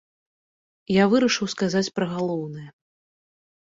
Я вырашыў сказаць пра галоўнае.